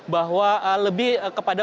bahwa lebih kepada